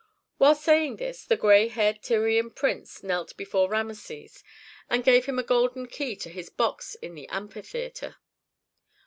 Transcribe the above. While saying this, the gray haired Tyrian prince knelt before Rameses and gave him a golden key to his box in the amphitheatre.